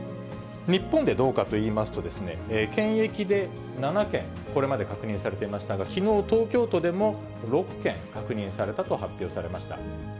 日本でどうかといいますと、検疫で７件、これまで確認されていましたが、きのう、東京都でも６件確認されたと発表されました。